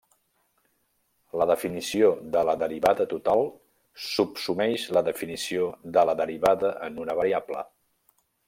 La definició de la derivada total subsumeix la definició de la derivada en una variable.